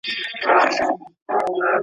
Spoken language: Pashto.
انساني هویت د یووالي لاره ده